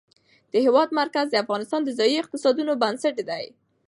د هېواد مرکز د افغانستان د ځایي اقتصادونو بنسټ دی.